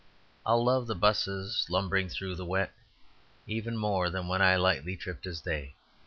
I'll love the 'buses lumbering through the wet, Even more than when I lightly tripped as they.